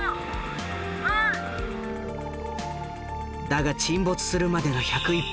だが沈没するまでの１０１分。